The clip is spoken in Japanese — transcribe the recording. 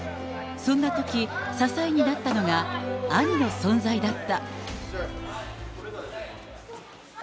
そんなとき、支えになったのが、兄の存在だった。